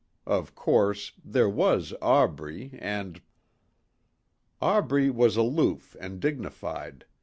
Of course there was Aubrey and.... Aubrey was aloof and dignified.